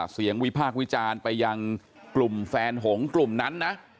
วิพากษ์วิจารณ์ไปยังกลุ่มแฟนหงกลุ่มนั้นนะ